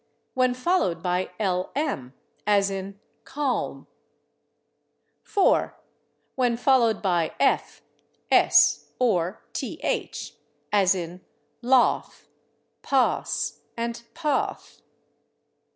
when followed by /lm/, as in /calm/. 4. when followed by /f/, /s/ or /th/, as in /laugh/, /pass/ and /path